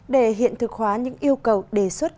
để hiện thực hóa những yêu cầu đề xuất